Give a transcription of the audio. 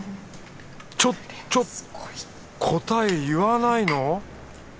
ちょちょ答え言わないの？